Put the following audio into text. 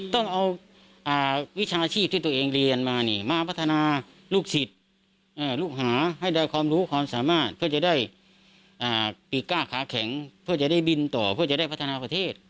ต้องเอาวิชาชีพที่ตัวเองเรียนมานี่มาพัฒนาลูกศิษย์ลูกหาให้ได้ความรู้ความสามารถเพื่อจะได้ปีก้าขาแข็งเพื่อจะได้บินต่อเพื่อจะได้พัฒนาประเทศ